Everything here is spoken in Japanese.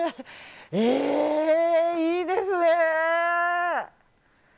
いいですね。